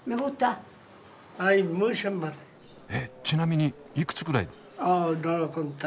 えちなみにいくつぐらい？